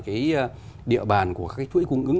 cái địa bàn của các chuỗi cung ứng